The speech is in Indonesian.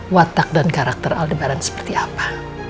watak dan karakter aldebaran seperti apa